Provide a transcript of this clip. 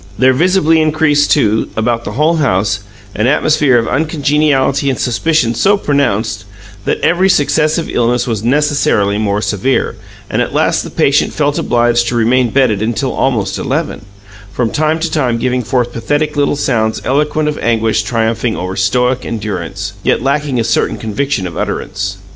There visibly increased, too, about the whole household, an atmosphere of uncongeniality and suspicion so pronounced that every successive illness was necessarily more severe, and at last the patient felt obliged to remain bedded until almost eleven, from time to time giving forth pathetic little sounds eloquent of anguish triumphing over Stoic endurance, yet lacking a certain conviction of utterance.